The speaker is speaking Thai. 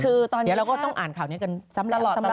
เดี๋ยวเราก็ต้องอ่านข่าวนี้กันซ้ำละลอด